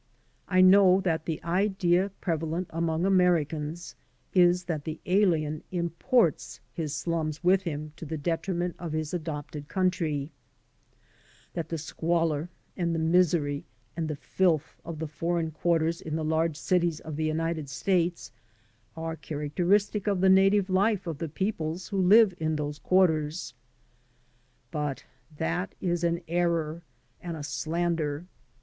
I know that the idea prevalent among Americans is that the alien imports his slums with him to the detriment of his adopted country, that the squalor and the misery and the filth of the foreign quarters in the large cities of the United States are characteristic of the native life of the peoples who live in those quarters. But that is an error and a slander.